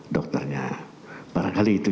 dokternya barangkali itu